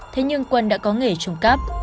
thế nhưng quân đã có nghề trụng cấp